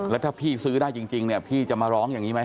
แล้วถ้าพี่ซื้อได้จริงเนี่ยพี่จะมาร้องอย่างนี้ไหม